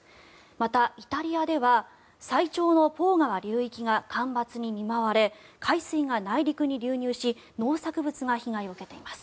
また、イタリアでは最長のポー川流域が間伐に見舞われ海水が内陸に流入し農作物が被害を受けています。